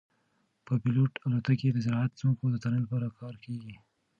بې پیلوټه الوتکې د زراعتي ځمکو د څارنې لپاره کارول کیږي.